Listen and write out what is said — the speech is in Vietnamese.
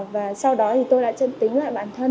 và sau đó thì tôi đã chân tính lại bản thân